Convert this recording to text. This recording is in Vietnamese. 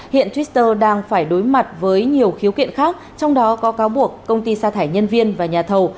hiện twitter đang phải đối mặt với nhiều khiếu kiện khác trong đó có cáo buộc công ty xa thải nhân viên và nhà thầu